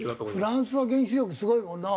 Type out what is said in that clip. フランスは原子力すごいもんな。